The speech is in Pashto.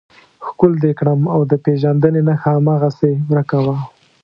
ښکل دې کړم او د پېژندنې نښه هماغسې ورکه وه.